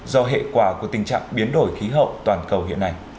do hệ quả của tình trạng biến đổi khí hậu toàn cầu hiện nay